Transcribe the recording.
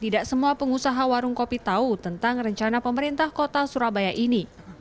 tidak semua pengusaha warung kopi tahu tentang rencana pemerintah kota surabaya ini